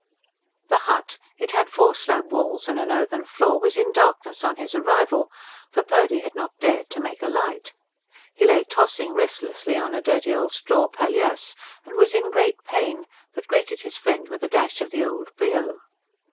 The hut it had four slab walls and an earthen floor was in darkness on his arrival, for Purdy had not dared to make a light. He lay tossing restlessly on a dirty old straw palliasse, and was in great pain; but greeted his friend with a dash of the old brio.